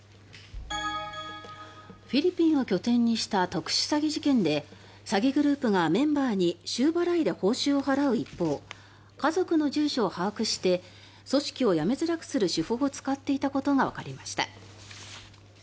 フィリピンを拠点にした特殊詐欺事件で詐欺グループがメンバーに週払いで報酬を払う一方家族の住所を把握して組織を辞めづらくする手法を使っていたことがわかりました。